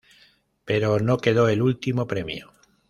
Pero no quedó el último premio.